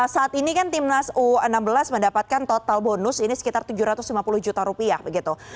saat ini kan timnas u enam belas mendapatkan total bonus ini sekitar tujuh ratus lima puluh juta rupiah begitu